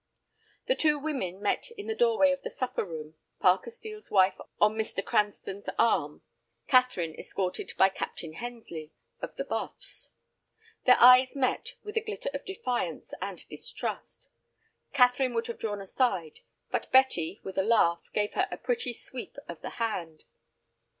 The two women met in the doorway of the supper room, Parker Steel's wife on Mr. Cranston's arm, Catherine escorted by Captain Hensley, of the Buffs. Their eyes met with a glitter of defiance and distrust. Catherine would have drawn aside, but Betty, with a laugh, gave her a pretty sweep of the hand.